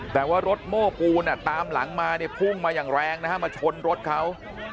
แต่ว่ารถโม้ปูนตามหลังมาเนี่ยพุ่งมาอย่างแรงนะฮะมาชนรถเขา